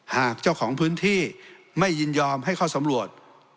หากเจ้าของพื้นที่ไม่ยินยอมให้เข้าสำรวจ